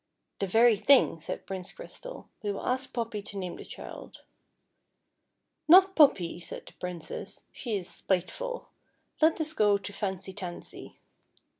" The very thing," said Prince Crystal, " we will ask Poppy to name the child." " Not Poppy," said the Princess, " she is spiteful ; let us go to Fancy Tansy."